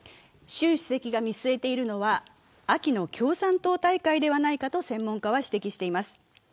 習主席が見据えているのは秋の共産党大会ではないかと専門家は指摘しています。